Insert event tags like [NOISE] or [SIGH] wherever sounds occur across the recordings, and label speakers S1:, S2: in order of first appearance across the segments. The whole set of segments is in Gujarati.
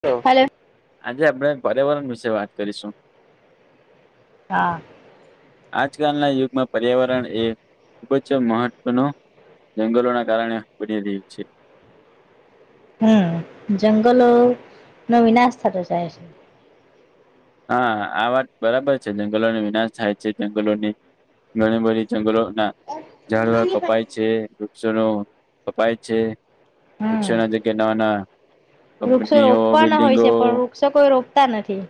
S1: હલો આજે આપણેે પર્યાવરણ વિશે વાત કરીશું.
S2: હા.
S1: આજકાલના યુગમાં પર્યાવરણ એ ખુબ જ મહત્વનું જંગલ ના કારણે પડી રયુ છે.
S2: હમ્મ, જંગલો નો વિનાશ થતો જાય છે.
S1: હા આ વાત બરાબર છે, જંગલોનો વિનાશ થાય છે જંગલોની ઘણી બધી જંગલો ના ઝાડવા કપાય છે વૃક્ષો નો કપાય છે.
S2: હમ
S1: વૃક્ષોના જગ્યાએ નવા નવા
S2: વૃક્ષો
S1: કંપનીઓ
S2: રોપવાના હોય
S1: બિલ્ડિંગો
S2: છે, પણ વૃક્ષો કોઈ રોપતા નથી.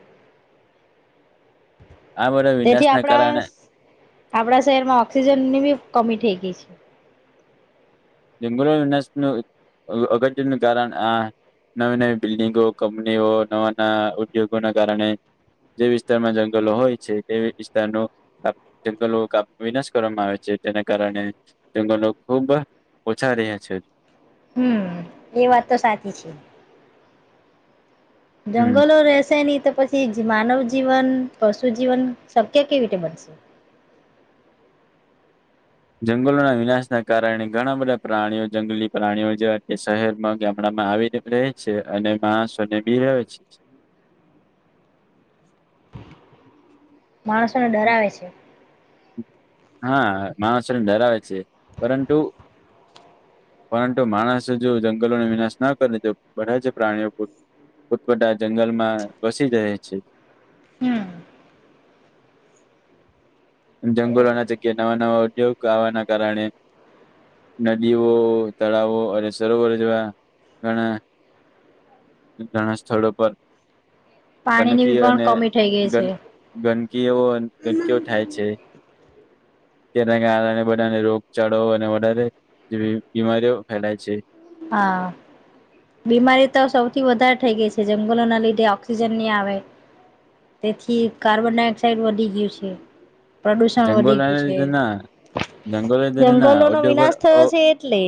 S1: આ બધા
S2: તેથી
S1: વિનાશના
S2: આપણા
S1: કારણે
S2: આપણા શહેરમાં ઓક્સિજન ની બી કમી થઈ ગઈ છે.
S1: જંગલોનું વિનાશનું અગત્યનું કારણ આ નવી નવી બિલ્ડિંગો, કંપનીઓ નવા નવા ઉદ્યોગોના કારણે જે વિસ્તારમાં જંગલો હોય છે, તે વિસ્તારનો આ જંગલો કાપ વિનાશ કરવામાં આવે છે. તેના કારણે જંગલો ખુબ ઓછા રહ્યા છે.
S2: હમ્મ એ વાત તો સાચી છે.
S1: હમ
S2: જંગલો રહેશે નહી તો પછ છી માનવ જીવન, પશુ જીવન શક્ય કેવી રીતે બનશે?
S1: જંગલોના વિનાશ ના કારણે ઘણા બધા પ્રાણીઓ જંગલી પ્રાણીઓ જેવા કે શહેરમાં, ગામડામાં આવીને રહે છે અને માણસો અને બી રહે છે.
S2: માણસોને ડરાવે છે.
S1: હા માણસોને ડરાવે છે. પરંતુ પરંતુ માણસ જો જંગલોને વિનાશ ના કરે તો બધા જ પ્રાણીઓ પોત પોત પોતા જંગલમાં વસી જાય છે.
S2: હમ્મ
S1: અને જંગલોના જગ્યા નવા નવા ઉદ્યોગ આવાના કારણે નદીઓ, તળાવો અને સરોવર જેવા ઘણા ઘણા સ્થળો પર
S2: પાણીની બી
S1: ગંદકી
S2: પણ
S1: અને
S2: કમી થઈ ગઈ છે
S1: [UNINTELLIGIBLE] ગંદકીઓ, ગંદકીઓ થાય છે. તેના કારણે બધાને રોગચાળો અને વધારે જેવી બીમારીઓ ફેલાય છે.
S2: હા બીમારીઓ તો સૌથી વધારે થઈ ગઈ છે. જંગલો ના લીધે ઓક્સિજન ની આવે. તેથી કાર્બન ડાયોક્સાઈડ વધી ગયું છે, પ્રદુષણ વધી
S1: જંગલોના
S2: ગયું છે.
S1: લીધે ના જંગલો લીધે ના
S2: જંગલોનો
S1: ઉદ્યોગો
S2: વિનાશ
S1: અ
S2: થયો છે એટલે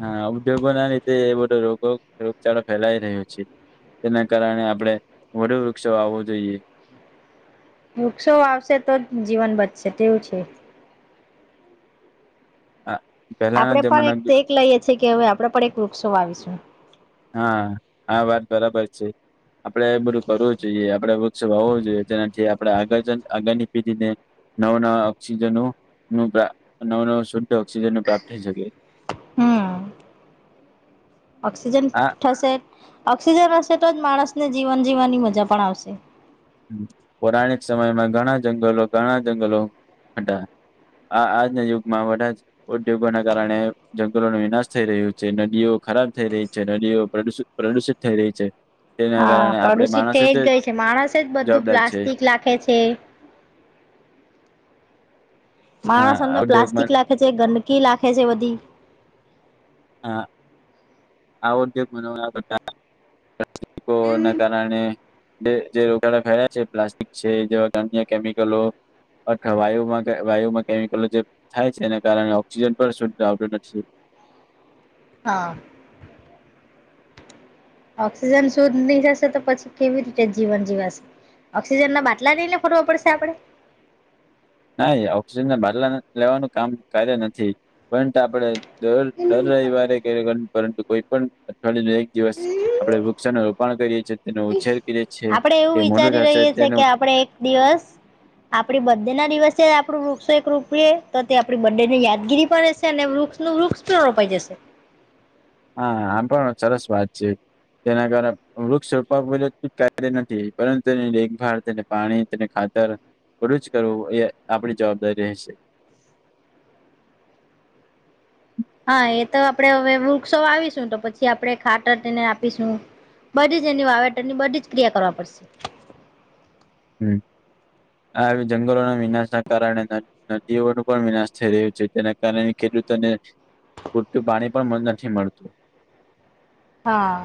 S1: હા ઉદ્યોગોના લીધે એ બધો રોગો રોગચાળો ફેલાઈ રહ્યો છે. તેના કારણે આપણેે વધુ વૃક્ષો વાવવો જોઈએ.
S2: વૃક્ષો વાવશે તો જ જીવન બચશે તેવું છે.
S1: હા
S2: આપણે પણ એક ટેક લઈએ છીએ કે હવે આપડે પણ એક વૃક્ષો વાવીશું.
S1: હા આ વાત બરાબર છે. આપડે એ બધું કરવું જોઈએ, આપડે વૃક્ષ વાવું જોઈએ, જેનાથી આપણે આગળ જન આગળની પેઢીને નવા નવા ઓક્સિજનો નું નવ નવું શુદ્ધ ઓક્સિજનો પ્રાપ્ત થઈ શકે.
S2: હમ ઓક્સિજન
S1: આ
S2: થશે ઓક્સિજન હશે તો જ માણસને જીવન જીવવાની મજા પણ આવશે.
S1: હમ પૌરાણિક સમયમાં ઘણા જંગલો ઘણા જંગલો હતા. આ આજના યુગમાં બધાં જ ઉદ્યોગોના કારણે જંગલોનો વિનાશ થઈ રહ્યો છે, નદીઓ ખરાબ થઈ રહી છે, નદીઓ પ્રદુષ પ્રદુષિત થઈ રહી છે. તેના
S2: હા
S1: કારણે આપણે
S2: પ્રદુષિત
S1: માણસ
S2: થઈ જ ગઈ છે. માણસે જ બધું
S1: જવાબદાર છે
S2: પ્લાસ્ટિક લાખે છે. માણસ
S1: આ
S2: અંદર
S1: ઉદ્યોગમાં
S2: પ્લાસ્ટિક લાખે છે, ગંદકી લાખે છે બધી.
S1: હા આ ઉદ્યોગ મનાવા બધા પ્લાસ્ટિકો અને તેના કારણે જે જે રોગાડા ફેર્યા છે પ્લાસ્ટિક છે, જેવા કે અન્ય કેમિકલો અથવા વાયુમાં વાયુમાં કેમિકલો જે થાય છે, એના કારણે ઓક્સિજન પણ શુદ્ધ આવતું નથી.
S2: હા ઓક્સિજન શુદ્ધ ની થશે તો પછી કેવી રીતે જીવન જીવાશે? ઓક્સિજન ના બાટલા લઈને ફરવા પડશે આપણે?
S1: ના ઓક્સિજનને બદલા લેવાનું કામ કાર્ય નથી પરંત આપડે. ડર રવિવારે પરંતુ કોઈ પણ અઠવાડયું ન. દિવસ આપડે વૃક્ષોનું રોપણ કરીએ છીએ તેનો ઉછેર કરીએ છીએ
S2: આપણે એવું
S1: તે મોડું
S2: વિચારી
S1: થશે
S2: રહીએ છે કે
S1: તેનું.
S2: આપણે એક દિવસ. આપડી બડ ડે ના દિવસે આપડું વૃક્ષો એક રૂપએ તો તે આપ બ્ે ની યાદગીરી પણ હશે અને વૃક્ષ. રૂક્ષસ તો નપાઈ જશે.
S1: હા આમ પણ સરસ વાત છે. તેના કારણે વૃક્ષ રોપવા કાર્ય નથી પરંતુ તે એકભ તેને. પાણી તેને ખાતર બડું જ કરવું એ આપણી જવાબદારી રહેશે.
S2: હા એ તો આપણેે હવે વૃક્ષો આવીશું તો પછી આપણે ખાટર તેને આપીશું. બધી જ એની વાવેતરની બધી જ ક્રિયા કરવા પડશે.
S1: હમ આ જંગલોના વિનાશ ના કારણે. નદીઓ ન પણ વિનાશ થઈ રહ્યું છે જેના કારણે ખેડૂતોને પૂરતું પાણી પણ નથી મળતું.
S2: હા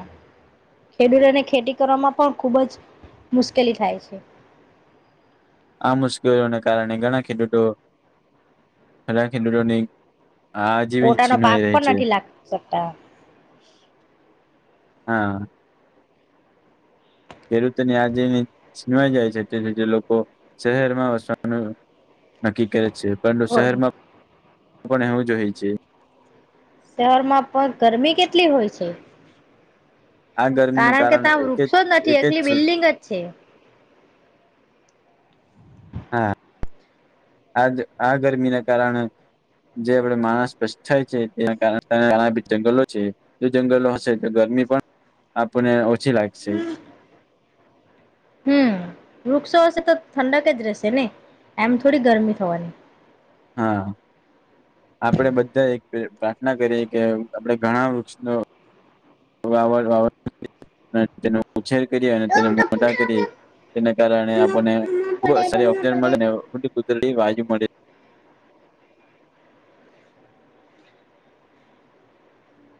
S2: ખેડૂતોને ખેતી કરવામાં પણ ખુબ જ મુશ્કેલી થાય છે.
S1: આ મુશ્કેલોને કારણે ઘણા ખેડૂતો ઘણા ખેડૂતોની. આજીવન
S2: પોતાનો પાક
S1: છીનવાઈ રહી
S2: પણ
S1: છે
S2: નથી લાગી શકતા.
S1: હા. ખેડૂતોને આજવાઈ જાય છે એટલે જે લોકો શહેરમાં વસવાનું. નક્કી કરે છે પરંતુ શહેરમાં પણ એવું જો હોય છે.
S2: શહેરમાં પણ ગરમી કેટલી હોય છે.
S1: આ ગરમીનું
S2: કારણ કે ત્યાં
S1: એક
S2: વૃક્ષો જ નથી
S1: એક
S2: એકલી
S1: છે
S2: બિલ્ડિંગ જ છે.
S1: હા આજ આ ગરમી ના કારણે. જે આપડ માણસ સ્પષ્ટ થાય છે એના કાર જંગલો છે. જો જંગલો હશે તો ગરમી પણ આપણને ઓછી લાગશે.
S2: હમ. વૃક્ષો હશે તો ઠંડક જ રહેશે ને એમ થોડી ગરમી થવાની.
S1: હા આપડે બધા એક પ્રાર્થના કરીએ કે આપડે ઘણા વૃક્ષ ન. વા વા તેનો ઉછેર કરી અને તેને મોઢા કરી. તેને કારણે આપણને ખ સારી ઓક્જન મળે ને કુર વાજુ મળે.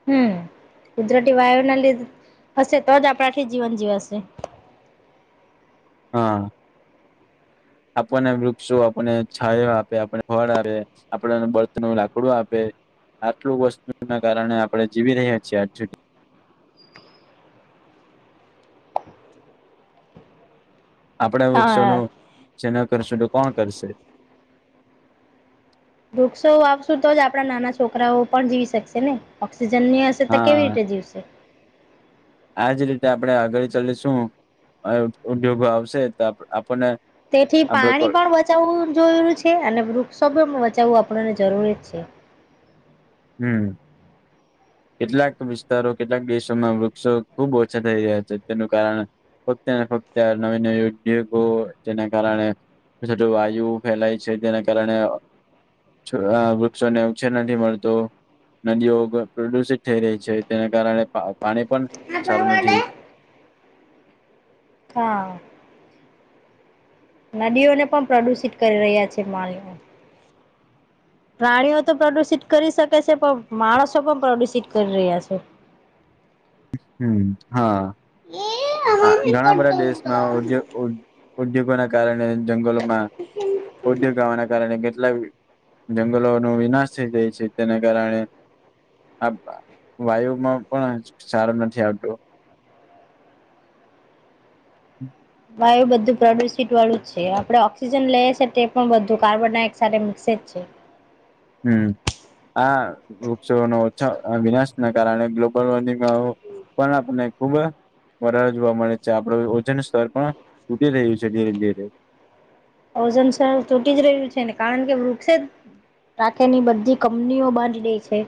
S2: હમ કુદરતી વાયુના લીધે હશે તો જ આપણાથી જીવન જીવાશે.
S1: હા. આપણને વૃક્ષો આપણને છાયા આપે આપને ફળ આપે. આપડને બળતણ લાકડું આપે. આટલું વસ્તુ ના કારણે આપડણે જીવી રહી છીએ આજુ. આપડે વૃક્ષો ન
S2: હા
S1: છે ન કરશું તો કોણ કરશે.
S2: વૃક્ષો વાશું તો જ આપડા નાના છોકરાઓ પણ જીવી શકશે ને ઓક્સિજન ની. છતા કેવી રીતે જીવશે.
S1: આ જ રીતે આપણે આગળ ચાલીશું ઉદ્યોગો આવશે તો આપણને.
S2: તેથી પાણી
S1: આપડ
S2: પણ બચાવવું જોયેલું છે અને વૃક્ષો પણ બચાવવું આપણને જરૂરી છે.
S1: હમ. કેટલાક વિસ્તારો કેટલાક દેશોમાં વૃક્ષો ખુબ ઓછા થઈ રહ્યા છે તેનું કારણ. ફક્ત ને ફક્ત નવી નવી ઉદ્યોગો જેના કારણે. વાયુ ફેલાય છે તેના કારણે. વૃક્ષો ને ઉછેર નથી મળત. તો નદીઓ પ્રદુષિત થઈ રહી છે તેના કારણે પાણી પણ.
S2: આથ
S1: સારું
S2: માટેને
S1: નથી
S2: હા. નદીઓને પણ પ્રદુષિત કરી રહ્યા છે માલઓ. પ્રાણીઓ તો પ્રદુષિત કરી શકે છે પણ માણસો પણ પ્રદુષિત કરી રહ્યા છે.
S1: હમ હા. હા ઘણા બધા દેશમાં ઉદ્યોગ ઉદ્યોગો ના કારણે જંગલોમાં ઉદ્યોગ આવવાના કારણે કેટલા જંગલોનો વિનાશ થઈ જાય છે તેને કારણે આ વાયુમાં પણ સારો નથી આવતું. હમ
S2: વાયુ બધું પ્રદુષિત વાળું જ છે આપણે ઓક્સિજન લઈએ છીએ તે પણ બધું કાર્બન ડાયોક્સાઇડ એ મિક્સે જ છે.
S1: હમ આ વૃક્ષો [INAUDIBLE] વિનાશ. ના કારણે ગ્લોબલ વોર્મિંગમાં પણ આપને ખુબ. વધારે જોવા મળે છે આપડું ઓજન સ્તર પણ તૂટી રહ્યું છે ધીરે ધીરે
S2: ઓઝન સરું તૂટી જ રહ્યું છે ને કારણ કે વૃક્ષ જ રાકેની બધી કંપનીઓ બાંધ દઈ છે.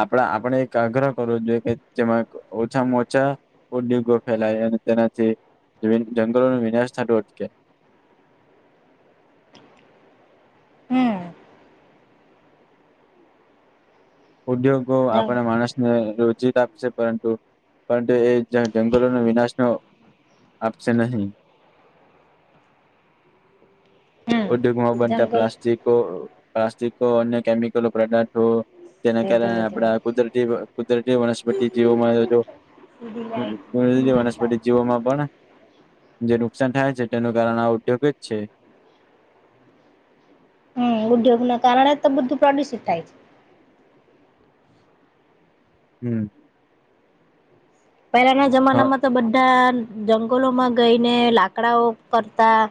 S1: આપણા આપણે એક આગ્રહ કરવો જોઈએ કે જેમાં ઓછામાં ઓછા. ઉદ્યોગો ફેલાય અને તેનાથી જંગલો ન વિનાશ થતો અટકે.
S2: હમ
S1: ઉદ્યોગો
S2: જંગ
S1: આપણે માણસને રોજ પરંતુ પરંતુ એ જંગલોનો વિનાશ ન આપશે નહીં.
S2: હમ
S1: ઉદ્યોગમાં બનતા
S2: જંગલ
S1: પ્લાસ્ટિકો પ્લાસ્ટિકો અન્ય કેમિકલ પ્રોક્ટ જેના
S2: સીધી
S1: કારણે
S2: લીટી પર
S1: આપડા કુદરતી કુદરતી વનસ્પતિ જીવોમાં
S2: સીધી લાઈટ સીધી લીટી પર
S1: વનસ્પતિ જીવોમાં પણ જે નુકસાન થાય છે તેનું કારણ આ ઉદ્યોગ જ છે.
S2: ઉદ્યોગ ના કારણે બધું પ્રદુષિત થાય છે.
S1: હમ
S2: પહેલાના
S1: હ
S2: જમાનામાં તો બધા જંગલોમાં ગઈને લાકડાઓ કરતા.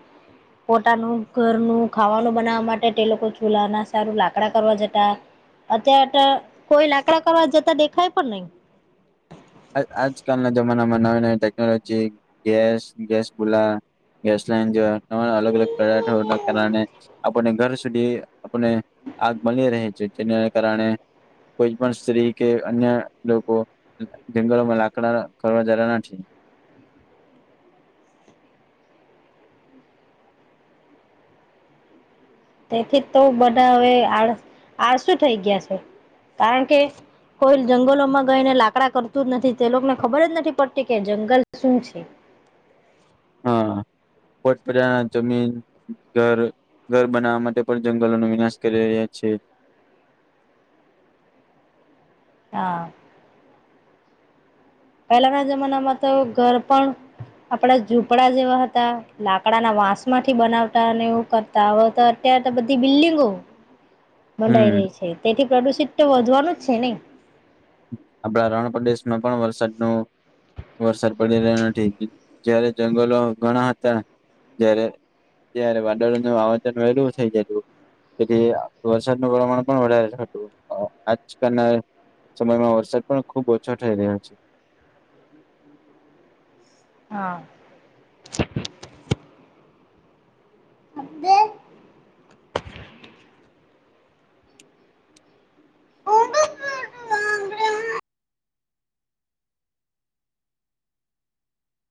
S2: પોતાનું ઘરનું ખાવાનું બનાવા માટે તે લોકો ચૂલા ના સારું લાકડા કરવા જતા. અત્યારે કોઈ લાકડા કરવા જતા દેખાય પણ નહી.
S1: આજ આજકાલ ના જમા [UNINTELLIGIBLE] નવી ટેકનોલોજી ગેસ, ગેસ બુલા, ગેસ લાઈન અલગ અલગ પદાર્થો ના કારણે આપને ઘર સુધી આપને આગ મળી રહે છે. તેના કારણે કોઈ પણ સ્ત્રી કે અન્ય લોકો જંગલો માં લાકડા કરવા જતા નથી.
S2: તેથી તો બધા હવે આ આળસું થઈ ગયા છે. કારણ કે, કોઈ જંગલોમાં ગઈ ને લાકડા કરતું જ નથી. તે લોકોને ખબર જ નથી પડતી કે જંગલ શું છે?
S1: હા પોતપોતાના જમીન, ઘર ઘર બનાવવા માટે પણ જંગલોનો વિનાશ કરી રહ્યા છે.
S2: હા. પહેલાના જમાનામાં તો ઘર પણ આપડા ઝૂપડા જેવા હતા. લાકડાના વાંસ માંથી બનાવતા અને એવું કરતા અવે અત્યારે તો બધી બિલ્ડીંગો બંધાઈ
S1: હમ
S2: રહી છે. તેથી પ્રદુષિત તો વધવાનું જ છે ને.
S1: આપડા રણપદેશ માં પણ વરસાદ નું વરસાદ પડી રહ્યો નથી. જયારે જંગલો ઘણા હતા જારે ત્યારે વાદળ [INAUDIBLE] થઇ જતું. તેથી વરસાદનું પ્રમાણ પણ વધારે થતું. આજકાલના સમયમાં વરસાદ પણ ખુબ ઓછો થઈ રહ્યો છે.
S2: હા